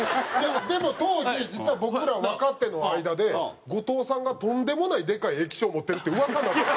でも当時実は僕ら若手の間で後藤さんがとんでもないでかい液晶持ってるって噂になってた。